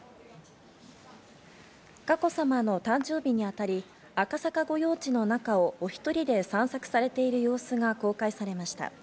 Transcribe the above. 佳子さまの誕生日にあたり、赤阪御用地の中をお１人で散策されている様子が公開されました。